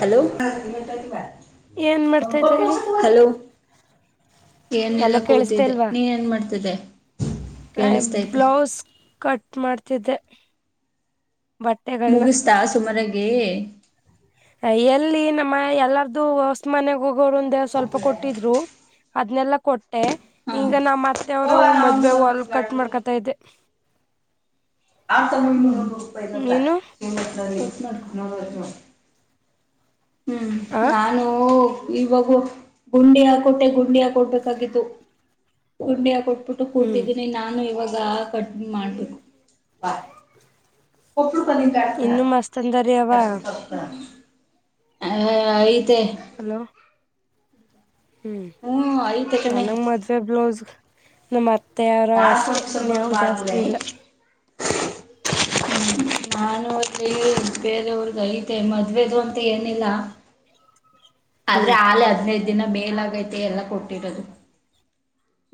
Hello ಏನ್ ಮಾಡ್ತಾಯಿದ್ದೀರಿ hello ಏನಿಲ್ಲ ಎಲ್ಲೋ ಕೂತಿದ್ದೆ ನೀನ್ ಏನ್ ಮಾಡ್ತಿದ್ದೆ. ಆದ್ ಕೇಳಿಸ್ತೈತೆ ಬ್ಲೌಸ್ ಕಟ್ ಮಾಡ್ತಿದ್ದೆ. ಬಟ್ಟೆಗಳನ್ನ ಮುಗಿಸ್ತಾ ಸುಮಾರಗಿ ಆ ಎಲ್ಲಿ ನಮ್ಮ ಎಲ್ಲಾರ್ದು ಹೊಸ್ ಮನೆಗ ಹೋಗೋರಿಂದ ಒಂದ್ ಸ್ವಲ್ಪ ಕೊಟ್ಟಿದ್ರು. ಅದ್ನೆಲ್ಲ ಕೊಟ್ಟೆ ಹಾ ಈಗ ನಮ್ಮ ಅತ್ತೆ ಅವ್ರವು ಮದ್ವೆ ವಲ್ ಕಟ್ ಮಾಡ್ಕೊತಾ ಇದ್ದೆ. ಆತ ಮೂರ್ ನೂರು ರೂಪಾಯಿ ನೀನು [unintelligible] ಹ್ಮ್ ಆ ನಾನು ಇವಾಗ ಗುಂಡಿ ಹಾಕೊಟ್ಟೆ ಗುಂಡಿ ಹಾಕೊಡ್ಬೇಕಾಗಿತ್ತು ಗುಂಡಿ ಹಾಕೊ ಬಿಟ್ಟು ಹ್ಮ್ ಕೂತಿದ್ದೀನಿ ನಾನು ಇವಾ ಗ ಕಟ್ ಮಾಡ್ಬಕ್ ಇನ್ನು ಮಸ್ತ್ ಅಂದರಿ ಅವ [unintelligible] ಏ ಐತೆ ಹಲೋ ಹ್ಮ್ ಐತೆ ಕಣೆ ಹ್ಮ್ ನನಗ್ ಮದ್ವೆ ಬ್ಲೌಸ್ಗ್ ನಮ್ ಅ ತ್ತೆ ವರ ಅಷ್ಟೆ ಇನ್ಯಾವು ಜಾಸ್ತಿ ಇಲ್ಲ. ಹ್ಮ ನಾನೂ ಬೇರೆಯವರ್ದ್ ಐತೆ ಮದ್ವೆದು ಅಂತ್ ಏನಿಲ್ಲ. ಆದ್ರೆ ಹ್ಮ್ ಆಲೆ ಹದ್ನೈದ್ ದಿನ ಮೇಲಾಗೈತೆ ಎಲ್ಲ ಕೊಟ್ಟಿರೋದು.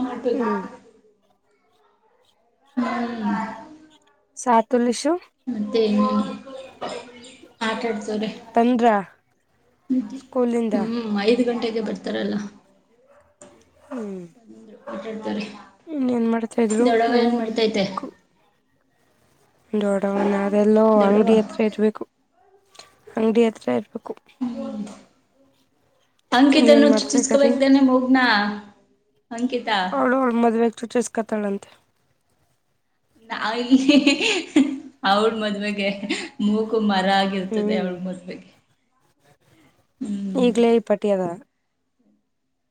ಮಾಡ್ಬೇಕು. ಹ್ಮ್ ಹ್ಮ ಸಾತುಲಿಶ್ ಮತ್ತೆನ್ ಆಟಾಡ್ಸ್ ರೆ ಬಂದ್ರ ಸ್ಕೂಲಿಂದ ಹ್ಮ್ ಐದು ಗಂಟೆಗ್ ಗೆ ಬರ್ತಾರೆಲ್ಲ. ಹ್ಮ್ ಅಟಾಡ್ತವ್ರೆ ಇನ್ನೆನ್ ಮಾಡ್ತಾ ಇದ್ರು ಮೂ ಮಾಡ್ತೈತೆ ಕು ದೋಡವನ ಅದೆಲ್ಲೋ ದೊಡವ ಅಂಗಡಿ ಹತ್ರ ಇರ್ಬೇಕು ಅಂಗಡಿ ಹತ್ರ ಇರ್ಬೇ ಇನ್ನೇನ್ ಅಂಕಿತನ್ನು ಮಾಡ್ತಾ ಇದ್ದಾರಿ ಚುಚ್ಚಿಸ್ಕೊಳ್ಳೋದ್ ತಾನೆ ಮೂಗ್ನಾ ಅವಳು ಅವ್ಳ ಮದ್ವೆಗ್ ಚುಚ್ಚುಸ್ಕತಳಂತೆ. ನಾವ ಇಲ್ಲಿ ಹಿ ಹಿ ಹಿ ಅವಳ ಮದ್ವೆಗೆ ಮೂಕು ಮರ ಆಗಿರ್ತದೆ ಹ್ಮ್ ಅವಳ ಮದ್ವೆಗೆ ಹ್ಮ್. ಈಗ್ಲೇ ಈ ಪಟಿ ಅದ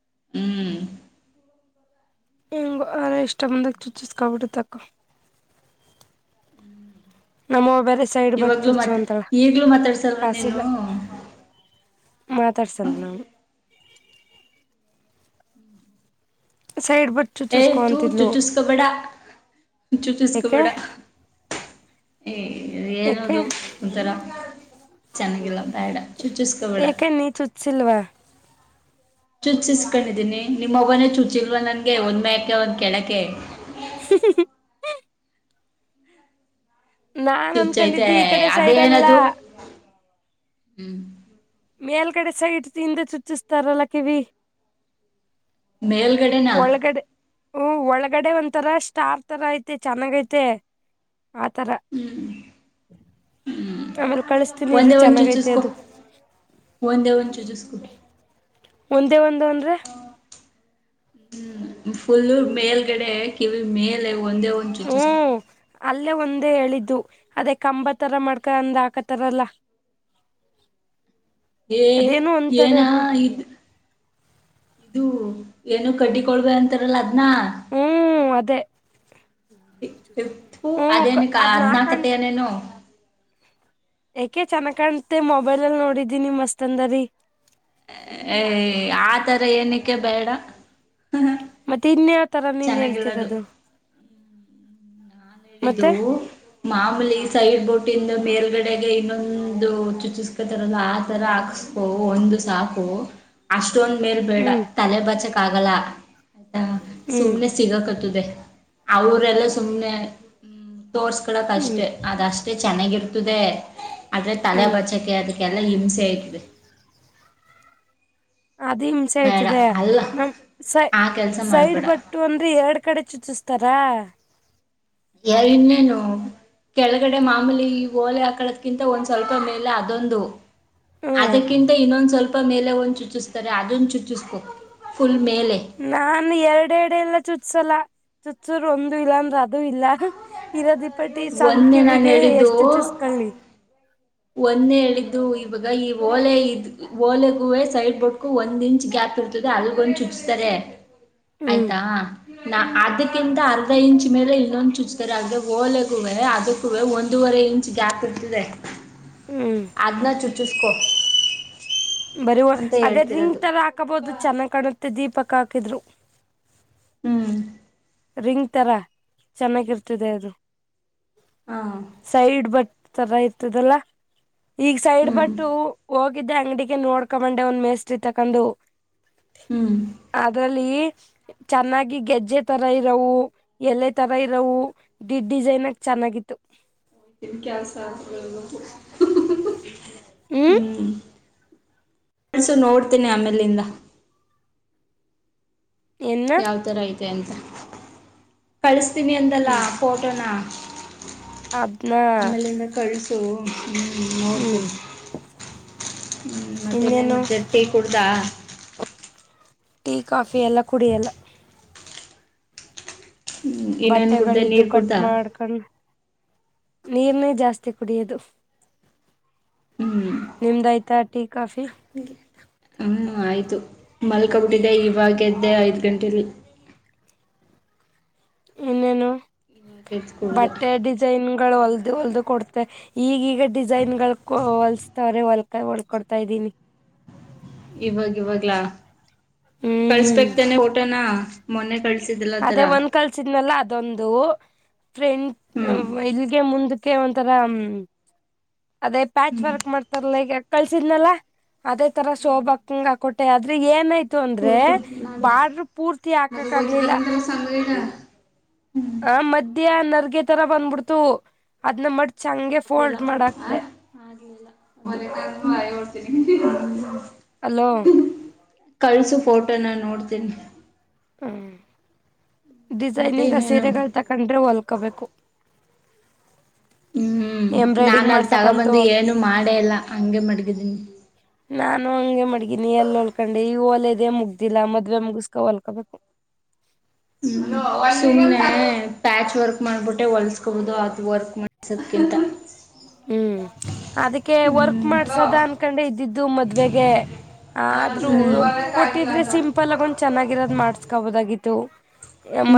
ಹ್ಮ್ ಹೆಂಗು ಆರ ಇಷ್ಟ ಬಂದಾಗ ಚುಚ್ಚಿಸ್ಕೊಬಿಡುತಕ್ಕ. ನಮ್ಮವ್ ಬೇರೆ ಸೈಡ್ ಬಕ್ ಇವಾಗ್ಲೂ ಚೂಚ್ ಮಾತ್ ಕೊಂತಾಳ ಈಗ್ಲೂ ಮಾತಾಡ್ಸಲ್ವಾ ನೀನು ಕಾಸಿಲ್ಲ. ಮಾತಾಡ್ಸಲ್ ನಾನು. ಸೈಡ್ ಬಟ್ ಏಯ್ ಚುಚ್ಚಿಸ್ಕೊ ತು ಅಂತಿದ್ಲು ಚುಚ್ಚುಸ್ಕಬೇಡ ಯಾಕೆ ಚುಚ್ಚುಸ್ಕಬೇಡ. ಏಯ್ ಯಾಕೆ ಏನದು ಒಂಥರ ಚೆನ್ನಾಗಿಲ್ಲ ಬೇಡ. ಚುಚ್ಚುಸ್ಕೋಬೇಡ ಏಕ ನೀ ಚುಚ್ಸಿಲ್ವ. ಚುಚ್ಚಿಸ್ಕೊಂಡಿದೀನಿ ನಿಮ್ಮವ್ವನೇ ಚುಚ್ಚಿಲ್ವ ನನ್ಗೆ ಒಂದ್ ಮ್ಯಾಕೆ ಒಂದ್ ಕೆಳಕೆ [inaudible] ನಾನ್ ಚುಚ್ಚೈತೇ ಅನ್ಕೊಂಡಿದ್ದು ಈ ಏಯ್ ಕಡೆ ಸೈಡ್ ಅಲ್ಲ ಅದೇನದು ಹ್ಮ್ ಮೇಲ್ಗಡೆ ಸೈಟ್ ತಿಂದೆ ಚುಚ್ಚಿಸ್ತಾರಲ್ಲ ಕಿವಿ ಮೇಲ್ಗಡೆನಾ ಹು ಒಳಗಡೆ ಒಂತರ ಸ್ಟಾರ್ ತರ ಐತೆ ಚೆನ್ನಾಗೈತೆ. ಆತರ ಹ್ಮ್ ಆಮೇಲೆ ಕಳಸ್ತೀನಿ ನೀರು ಒಂದೇ ಒಂದ್ ಚೆನ್ನಾಗೈತೆ ಚುಚ್ಚಿಸ್ಕೊ ಅದು ಒಂದೇ ಒಚು ಜಸ್ಕ ಒಂದೇ ಒಂದು ಅಂದರೆ ಹ್ಮ್ ಫುಲ್ಲ ಮೇಲ್ಗಡೆ ಕಿವಿ ಮೇಲೆ ಒಂದೇ ಒಂದು ಚೂಚಿಸಕ ಹ್ಮ್ ಅಲ್ಲೇ ಒಂದೇ ಹೇಳಿದ್ದು ಅದೇ ಕಂಬ ತರ ಮ್ಕ ಅಂದ್ರ ಹಾಕತಾರಲ್ಲ ಹ ಏ ಏನಾ ಇದು ಇದು ಏನು ಕಡ್ಡಿ ಕೊಳ್ಬೇಕ ಅಂತಾರಲ್ಲ ಅದ್ನ ಹ್ಮ್ ಅದೇ ಹ್ಮ್ ಅದೇನ ಅದ್ನ ಹದ್ನಾಕತ್ತ ನೇನು ಯಾಕೆ ಚೆನ್ನ ಕಾಣ್ತೆ ಮೊಬೈಲ್ ಅಲ್ ನೋಡಿದ್ದಿ ನಿ ಮಸ್ತ್ ಅಂದರಿ ಏ ಆ ತರ ಏನಕ್ಕೆ ಬೇಡ ಮತ್ತೆ ಇನ್ನೇ ಆ ತರ ನೀನ್ ಚೆನ್ನಾಗಿಲ್ಲದು. ಹೇಳ್ತಿರೋದು ಮತ್ತೆ ಹೇಳಿದು ಮಾಮೂಲಿ ಸೈಡ್ ಬೋಟ ಇಂದ ಮೇಲ್ಗಡೆಗೆ ಇನ್ನೊಂದು ಚುಚಿಸಸ್ಕೊತರಲ್ಲ ಆ ತರ ಹಕ್ ಒಂದು ಸಾಕೋ ಅಷ್ಟ ಅಷ್ಟೊಂದ ಮೇಲ್ ಬೇಡ ಹ್ಮ್ ತಲೆ ಬಚಕ್ ಆಗಲ್ಲ ಹ್ಮ್ ಸುಮ್ನೆ ಸಿಗಕತ್ತದೆ ಅವರೆಲ್ಲ ಸುಮ್ಮ್ನೆ ತೋರ್ಸ್ಕಳಕ್ ಹ್ಮ್ ಅಷ್ಟೇ ಅದ ಅಷ್ಟೇ ಚೆನ್ನಾಗಿರ್ತದೆ ಆದದ್ರೆ ತಲೆ ಹ್ಮ್ ಬಚ್ಚಕೆ ಅದ ಎಲ್ಲ ಹಿಂಸೆ ಆಯತದೆ ಅದು ಹಿಂಸೆ ಆಯ್ತದೆ ನಮ್ ಸ ಆ ಕೆಲ್ಸ ಸೈಡ್ ಮಾಡ್ಬೇಡ ಬಟ್ಟು ಅಂದ್ರೆ ಎರಡು ಕಡೆ ಚುಚ್ಚಸ್ತಾರಾ ಎರ ಇನ್ನೇನು ಕೆಳಗಡೆ ಮಾಮೂಲಿ ಈ ಓಲೆ ಹಾಕಳದ್ಕಿಂತ ಒಂದ್ ಸ್ವಲ್ಪ ಮೇಲೆ ಅದೊಂದು ಹ್ಮ್ ಅದಕ್ಕಿಂತ ಇನ್ನೊಂದ್ ಸ್ವಲ್ಪ ಮೇಲೆ ಒಂದ್ ಚುಚಿಸ್ತಾರೆ ಅದೊಂದು ಚುಚಿಸ್ಬು ಫುಲ್ ಮೇಲೆ ನಾ ಎರಡೆ ಎಡೆ ಎಲ್ಲ ಚುತ್ಸಲ್ಲ ಚುಸೂರ್ ಒಂದು ಇಲ್ಲ ಅಂದ್ರ ಅದ ಅ ಇಲ್ಲ ಇರೋದಿಪಟ್ಟಿ ಒಂದ್ನೇ ನಾನ್ ಸಂಖ್ಯಿವಿಗೆ ಎಷ್ಟು ಚೂಸ್ಕೊಳ್ಳಿ ಒಂದೆ ಹೇಳಿದ್ದು ಇವಾಗ ಈ ಓಲೆ ಇದ್ ಓಲೆಗೂವೆ ಸೈಡ್ ಬೋರ್ಟ್ಗೂ ಒಂದ್ ಇಂಚ್ ಗ್ಯಾಪ್ ಹರ್ತದೆ ಅದುಗೊಂದು ಚುಪ್ಸತಾರೆ ಹ್ಮ್ ಆಯ್ತಾ ನಾ ಅದಕ್ಕಿಂತ ಅರ್ಧ ಇಂಚ್ ಮೇಲೆ ಇನ್ನೊಂದು ಚುಚ್ತಾರೆ ಅ್ರ ಓಲೆಗೂವೆ ಅದಕ್ಕುವೆ ಒಂದೂವರೆ ರೇಂಜ್ ಗ್ಯಾಪಿರುತ್ತದೆ ಹ್ಮ್ ಚುಸ್ಕೋ ಬರಿ ಅದೇ ರಿಂಗ್ ತರ ಹಾಕಬಹದು ಚೆನ್ನಾಗಿ ಕಾಣುತ್ತೆ ದೀಪಕ್ ಹಾಕಿದ್ರು ಹ್ಮ್ ರಿಂಗ್ ತರ ಚೆನ್ನಾಗಿರ್ತದೆ ಅದು ಹಾ ಸೈಡ್ ಬಟ್ ಚೆನ್ನಾಗಿರ್ತದಲ್ಲ ಈಗ ಸೈಡ್ ಹ್ಮ್ ಬಟ್ಟು ಹೋಗಿದ್ದೆ ಅಂಗಡಿಗೆ ನೋಡ್ಕೊಂಬಂಡೆ ಒಂದ್ ಮೇಸ್ ತಕಂಡು ಹ್ಮ್ ಅ್ರಲ್ಲಿ ಚೆನ್ನಾಗಿ ಗೆಜ್ಜೆಟ್ ಈ ತರ ಇರೋವು ಎಲೆ ತರ ಇರೋವು ಡ್ ಡಿಸೈನ್ ಆಗಿ ಚೆನ್ನಾಗಿತ್ತು ಹ ಸಧ್ಯ ಹ್ಮ್ ಕಡ್ಸು ನೋಡ್ತೀನಿ ಆಮೇಲಿಂದ ಎನ್ನ ಯಾವ ತರ ಐತೆ ಅಂತ ಕಳಸ್ತೀನಿ ಅಂತಲ್ಲಾ ಫೋಟೋನ ಅದ್ಮ ಸೋ ಹ್ಞೂ ನೋಡ್ತೀನಿ ಹ ಮತ್ತೆನೇನು ಇನ್ನೇನು ಜಟ್ಟಿ ಕುಡ್ದ ಟೀ ಕಾಫಿ ಎಲ್ಲ ಕುಡಿಯಲ್ಲ ಹ್ಮ್, ಇನ್ನೇನು ಕುಡ್ದೆ ಬಟ್ಟೆಗಳಿದ್ದು ನೀರು ಕಟ್ ಕುಡ್ದಾ ಮಾಡ್ಕೊಂಡ ನೀರನೇ ಜಾಸ್ತಿ ಕುಡಿಯದು ಹ್ಞೂ ನಿಮ್ದಯ್ತಾ ಟೀ ಕಾಫಿ ಹ ಆಯ್ತು ಮಲ್ಕೊಬಿಟ್ಟಿದ್ದೆ ಇವಾಗದ್ದೆ ಐದ್ ಗಂಟಲಿ ಇನ್ನೇನು ಇವಾಗ ಎದ್ದು ಕುಡ್ದೆ ಬಟ್ಟೆಯ ಡಿಸೈನು ಏನು ಹೊಲ್ದು ಹೊಲ್ದು ಕೊಡ್ತ ಈಗೀಗ ಡಿಸೈನ್ ಗಳು ಹೊಲಸ್ತವ್ರೆ ಹೊಲ್ ಹೊಲ್ಕಡ್ತಾ ಇದ್ದೀನಿ [inaudible] ಇವಾಗ ಇವಾಗ್ಲಾ ಹ್ಮ್ ಕಳ್ಸ್ಬೇಕತನೆ ಊಟನ ಮೊನ್ನೆ ಕಳ್ಸ ಅದೇ ಒಂದ್ ಕಲ್ಸಿದ್ನಲ್ಲ ಅದೊಂದು ಫ್ರೆಂಡ್ ಹ್ಞೂ ಇಲ್ಲಿಗೆ ಮುಂದ ಕ್ಕೆ ಒಂಥರ ಹ್ಮ ಅದೇ ಪ್ಯಾಚ್ ಹ್ಞೂ ವರ್ಕ್ ಮಾಡ್ತಾರಲ್ಲ ಈಗ ಕಳ್ಸಿದ್ನಲ್ಲ ಅದೇ ತರ ಹ್ಞೂ ಸೋಬಾಂಗಾಕೋಟೆ ಅ ್ರೆ ಏನಾಯ್ತು ಅಂದ್ರೆ ಹೋಗ್ಕೊಡ್ತೀನಿ ನಾಳೆ ಬಾಡ್ರ ಪೂರ್ತಿ ಹಾಕಕ್ ಆಗ್ಲಿಲ್ಲ ಹ ಹ ಹ ಮಧ್ಯ್ಯಾ ನರ್ಗೆ ತರ ಬಂದ್ಬಿಡ್ತು ಅದ್ನ್ನ ಮತ ಬೆ ಆಗ್ಲಿಲ್ಲ ಬಾಯಓಡ್ತೀನಿ ಹಲೋ ಕಳ್ಸು ಫೋಟೋನ ನೋಡ್ತೇನಿ ಹ್ಮ ಮತ್ತೆ ಡಿಸೈನಗ ಇನ್ನೇನು ಸೀರೆಗಳು ತಕೊಂಡ್ರೆ ಹೊಲ್ಕೊಬೇಕು ಹ್ಮ್ ನಾನ ಎಂಬ್ರಾಯ್ಡಿಂಗ್ ಅಲ್ಲಿ ಮಾಡ್ಸಕಂತು ತಗೊಬಂದು ಏನು ಮಾಡೇಲ್ಲಾ ಹಂಗೆ ಮಡಗಿದೀನಿ ನಾನು ಹಂಗೆ ಮಡಗೀನಿ ಎಲ್ಲಿ ಹೊಲ್ಕೊಂಡೆ ಈಗ ಒಲೆದೇ ಮುಗ್ದಿಲ್ಲಾ ಮದ್ವೆ ಮುಗಸ್ಕ ಹೊಲ್ಕೋಬೇಕು ಹ ಹ್ಮ್ ಸುಮ್ಮ್ನೆ ಪ್ಯಾಚ್ ವರ್ಕ್ ಮಾಡ್ಬಿಟ್ಟೆ ಹೊಲ್ಸ್ಕೋಬೋುದು ಅತ್ ವರ್ಕ್ ಮಾಡಸ ಇಂತ ಹ್ಮ್ ಅದಕ್ಕೆ ವರ್ಕ್ ಮಾಡ್ಸದ ಅನ್ಕೊಂಡೆ ಇದ್ದಿದ್ದು ಮದ್ವೆೆಗೆ ಹ ಆದ್ರೂ ಹ್ಮ್ ಕೊಟ್ಟಿದ್ರೆ ಸಿಂಪಲ್ ಆಗ ಒಂದ್ ಚೆನ್ನಾಗಿರೋದ್ ಮಾಡ್ಸ್ಕೊಬೋದಾಗಿತ್ತು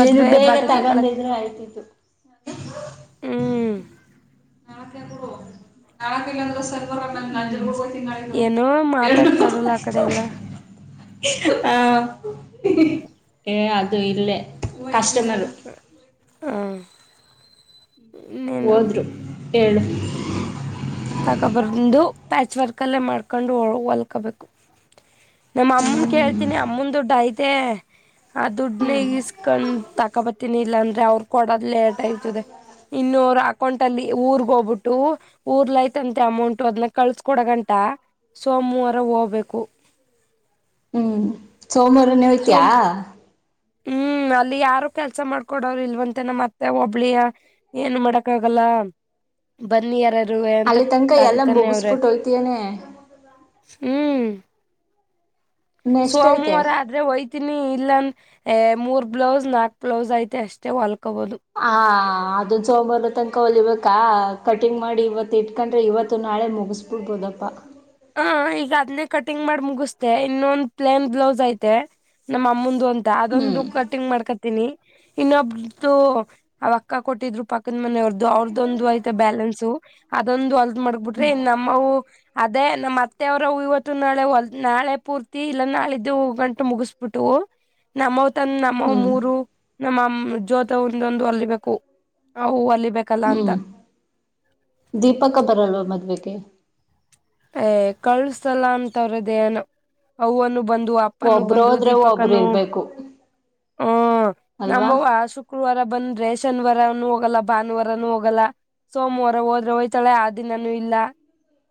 ಇದು ಬೇಗ ತಗೊಂಡಿದ್ರು ಆಯ್ತಿತ್ತು ಹ್ಮ್ ನಾಳಕ ನಾಳಕ ಅಂದ್ರರ ನಂಜರು ತಿಂ ಏನೋ ಎು ಮಾತಾಡ್ತಾರಲ್ಲ ಆ ಕಡೆ ಎಲ್ಲ ಹಾ ಏ ಅದು ಇಲ್ಲೇ ಕಸ್ಟಮರು ಹ ಇನ್ನೇನು ಹೋದ್ರು ಏ ತಗೋಬರ್ಂದು ಪ್ಯಾಚ್ ವರ್ಕ್ ಅಲ್ಲೇ ಮಾಡ್ಕೊಂಡು ಹೊಲ್ಕೊಬೇಕು ನಮ್ಮ ಅಮ್ಮನ್ ಹ್ಮ್ ಕೇಳ್ತೀನಿ ಅಮ್ಮನ್ ದುಡ್ಡು ಐತೆ ಆ ದುಡ್ನೆ ಹ್ಮ್ ಇಸ್ಕೊಂಡ್ ತಾಕಬತೀಿನಿ ಇಲ್ಲ ಅಂದ್ರೆ ಅವ್ರ ಕೊಡದ್ ಲೇಟ್ ಆಯ್ತದೆ ಇನ್ನೂರು ಅಕೌಂಟ್ ಅಲ್ಲಿ ಊರ್ಗ ಹೋಗ್ಬಿಟ್ಟು ಊರ್ಲೈತ ಂತೆ ಅಮೌಂಟ್ ಅದ್ ಕಳ್ಸ್ಕ ಕೊಡ ಗಂಟ ಸೋಮವಾರ ಒ ಹ್ಮ್ ಸೋಮವಾರನೇ ಹಯ್ತಿಯ ಹ್ಮ್ ಹ್ಮ್ ಅಲ್ಲಿ ಯಾರು ಕೆಲ್ಸ ಮಾಡ್ಕೊಡವ್ರರು ಇಲ್ವಂತನ ಮತ್ತೆ ಒಬ್ಳಿಯ ಏನು ಮಾಡಕ್ ಆಗಲ್ಲ ಬನ್ನಿ ಯಾರ ಅಂತ ಅಲ್ಲಿ ತನಕ ಎಲ್ಲ ಕರಿತಾನೆ ಅವ್ರ ಮುಗಿಸ್ಬಿಟ್ಟು ಹೋಯ್ತಿಯೇನೆ ಹ್ಮ್ ಇನ್ನೆಷ್ಟ ಐತೆ ಸೋಮವಾರ ಆದ್ರೆ ಒಯ್ತೀನಿ ಇಲ್ಲಂತ ಮೂರ್ ಬ್ಲೌಸ್ ನಾಕ್ ಬ್ಲೌಸ್ ಐತೆ ಅಷ್ಟೇ ಹೊಲ್ ಹಾ ಅದೊಂದು ಸೋಮಂಬಾರ ತನಕ ಹೊಲಿಬೇಕಾ ಕಟಿಂಗ್ ಮಾಡಿ ಇವತ್ತು ಇಟ್ಕೊಂಡ್ರೆ ಇವತ್ತು ನಾಳೆ ಮುಗಿಸ್ಬಿಡ್ಬೋದಪ್ಪ ಹ ಈಗ ಅದನ್ನೇ ಕಟಿಂಗ್ ಮಾಡಿ ಮುಗಿಸ್ತೆ ಇನ್ನೊಂದ್ ಪ್ಲೇನ್ ಬ್ಲೌಸ್ ಐತೆ ನಮ್ಮ ಅಮ್ಮಂದ ಒಂದ ಅ ಅದೊಂದು ಹ್ಮ್ ಕಟಿಂಗ್ ಮಾಡ್ಕತೀಿನಿ ಇನ್ನೊಬ್ದು ಅವ ಅಕ್ಕ ಕೊಟ್ಟಿದ್ರು ಪಕ್ಕದ ಮನೆಯವ್ರ್ದು ಅವ್ರದೊಂದು ಆಯ್ತ ಬ್ಯಾಲೆನ್ಸ್ ಅದೊಂದು ಅಲ್ದ ಮಾಡಬಿಟ್ರೆ ನಮ್ಮ ಅದೇ ನಮ್ಮ್ ಮತ್ತೆ ಅವ್ರ ಇವತ್ತು ನಾಳೆ ನಾಳೆ ಪೂರ್ತಿ ಇಲ್ಲ ನಾಳಿದ್ದು ಹ ಗಂಟ ಮುಗಿಸಬಿಟ್ಟು ನಮ್ಮ ತಂದ್ ನಮ್ಮವ್ ಹ್ಮ್ ಮೂರು ನಮ್ಮ ಜೋತವ್ವಂದು ಒಂದು ಹೊಲಿಬೇಕು ಅವು ಹೊಲಿ ಹ್ಮ್ ದೀಪಕ್ಕ ಬರಲ್ವ ಮದ್ವೆೆಗೆ ಏ ಕಳ್ಸಲ್ಲ ಅಂತವ್ರೇ ಅದೇನೋ ಅವ್ವನು ಬಂದ ದು ಅಪ್ಪನು ಒಬ್ರು ಬಂದು ಹೋದ್ರೆ ಒಬ್ರು ದೀಪಕ್ಕನು ಇರ್ಬೇಕು ಹ್ಮ ಅಲ್ವಾ ನಮ್ಮವ್ವ ಶುಕ್ರವಾರ ಬಂದ್ರೆ ಶನಿವಾರನು ಹೋಗಲ್ಲ ಭಾನುವಾರನು ಹೋಗಲ್ಲ ಸೋಮವಾರನು ಹೋದ್ರೆ ಹಯ್ತಾಳೆ ಆ ದಿನಾನೂ ಇಲ್ಲ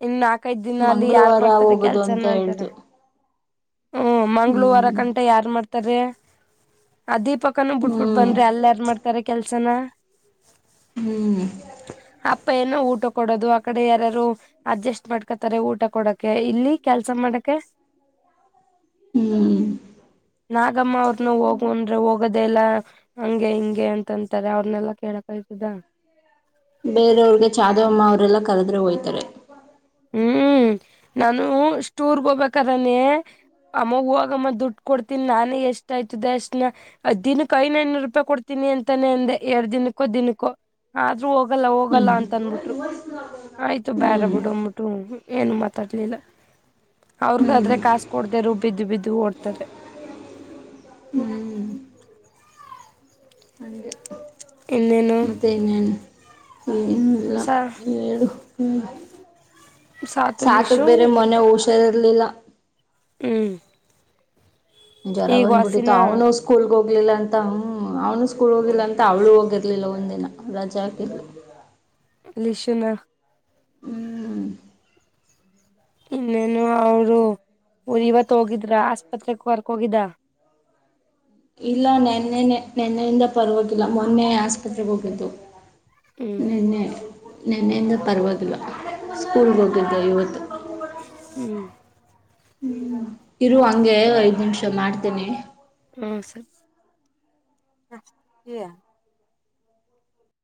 ಇನ್ನು ನಾಕ್ಕೈದ್ ದಿನ ಅಲ್ಲಿ ಯಾರ್ ಮಂಗಳವಾರ ಮಾಡ್ತಾರೆ ಹೋಗೋದು ಕೆಲ್ಸನ ಅಂತ ಅಂತಾರ ಹೇಳ್ತು ಹ್ಮ ಮಂಗಳೂವಾರ ಹ್ಮ್ ಗಂಟ ಯಾರ್ ಮಾಡ್ತಾರೆ ಅ ದಿಪ್ ಪಕ್ಕನೂ ಬಿಟ್ಟಬಿಟ್ ಹ್ಮ್ ಬಂದ್ರೆ ಅಲ್ ಯಾರ್ ಮಾಡ್ತಾರೆ ಕೆಲ್ಸನ ಹ್ಮ್ ಪ್ಪ ಏನೋ ಊಟ ಕೊಡೋದು ಆ ಕಡೆ ಯಾರಾರು ಅಡ್ಜಸ್ಟ್ ಮಾಡ ಮಾಡ್ಕೋತ್ತಾರೆ ಊಟ ಕೊಡಕ ಇಲ್ಲಿ ಕೆಲ್ಸ ಮಾಡಕ್ಕೆ ಹ್ಮ್ ನಾಗಮ್ಮ ಅವ್ರನ ಹೋಗು ಅಂದ್ರೆ ಹೋಗದ್ ಅದೆಲ್ಲಾ ಹಂಗೆ ಹಿಂಗೆ ಅಂತಂತಾರೆ ಅವ್ರನೆಲ್ಲಾ ಕೇಳಕ್ ಅಯ್ತದ ಬೇರವ್ರಗೆ ಚಾದವಮ್ಮ ಅವರೆಲ್ಲ ಕರುದ್ರೆ ಹೋಯ್ತಾರೆ ಹ್ಮ್ ನಾನು ಸ್ಟುರಿಗೋಗ್ಬೇಕಾದ್ರೆನೆ ಅಮ್ಮ ಹೂಗಮ್ಮ ಅಮ್ಮ ದುಡ್ಡು ಕೊಡ್ತಿನಿ ನಾನೇ ಎಷ್ಟ ಆಯ್ತುದೆ ಅಷ್ಟನ ದಿನುಕ್ ಐನೈನೂರೂಪಾಯಿ ಕೊಡ್ತೀನಿ ಅಂತಾನೇ ಅಂದೆ ಎರಡ್ ದಿನಕ್ಕೋ ದಿನುಕ್ಕೋ ಆದ್ರೂ ಹೋಗಲ್ಲ ಹೋಗಲ್ಲ ಹ್ಮ್ ಅಂತ ಅನ್ಬಿಟ್ರು ಆಯ್ತು ಬೇಡ ಹ್ಮ್ ಬಿಡು ಅಂದ್ಬಿಟ್ಟು ಏನು ಮಾತಾಡ್ಲಿಲ್ಲ ಹ್ಮ್ ಅವ್ರಗಾದ್ರೆ ಕಾಸ್ ಕೊಡ್ದೆ ಇದ್ರೂ ಬಿದ್ದು ಬಿದ್ದು ಓಡ್ತಾರೆ ಹ್ಮ್ ಹಂಗೆ ಇನ್ನೇನು ಮತ್ತೆ ಇನ್ನೇನೋ ಏನು ಇಲ್ಲ ಸ ಸಾತು ಸಾತುಗ್ ಲಿಶು ಬೇರೆ ಮೊನ್ನೆ ಹುಷಾರಿರ್ಲಿಲ್ಲ ಹ್ಮ್ ಜ್ವರ ಈಗ ಬಂದ್ಬಿಟ್ಟಿತ್ತು ವಾಸಿನ ಅವನು ಸ್ಕೂಲ್ಗೆ ಹೋಗಿ ಹೋಗ್ಲಿಲ್ಲ ಅಂತ್ಮ ಅವ್ನು ಸ್ಕೂಲ್ಗ್ ಹೋಗಿಲ್ಲ ಅಂತ ಅವ್ಳು ಹೋಗಿರ್ಲಿಲ್ಲ ಒಂದಿನ ರಜಾ ಹಾಕಿದ್ಲು ಲಿಶು ನಾ ಹ್ಮ್ ಇನ್ನೇನು ಅವರು ಊ ಇವತ್ ಹೋಗಿದ್ರ ಆಸ್ಪತ್ರೆಗೆ ಕರ್ಕೊ ಹೋಗಿದ್ದ ಇಲ್ಲ ನೆನ್ನೆ ನೇ ನೆನ್ನೆಯಿಂದ ಪರ್ವಾಗಿಲ್ಲ ಮೊನ್ನೆ ಆಸ್ಪತ್ರೆಗೆ ಹೋಗಿದ್ದು ಹ್ಮ್ ನಿನ್ನೆ ನೆನ್ನೆಯಿಂದ ಪರ್ವಾಗಿವಾಗಿಿಲ್ಲ ಸ್ಕೂಲ್ಗೆ ಹೋಗಿದ್ದ ಇವತ್ತು ಹ್ಮ್ ಹ್ಮ್ ಇರು ಹಂಗೆ ಐದ್ ನಿಮಿಷ ಮಾಡ್ತಿನಿ ಹ್ಮ್ ಸರಿ